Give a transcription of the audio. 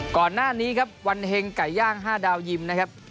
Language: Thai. ก่อนหน้านี้ครับวันเฮงไก่ย่าง๕ดาวยิมนะครับ